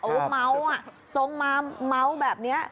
เอาลูกเมาส์ส่งมาเมาส์แบบนี้